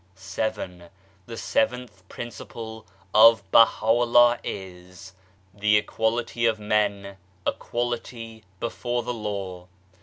VII. The seventh principle of Baha'u'llah is : The Equality of Men equality before the Law.